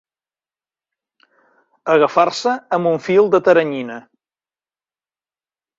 Agafar-se amb un fil de teranyina.